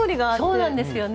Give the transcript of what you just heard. そうなんですよね。